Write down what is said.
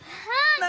何？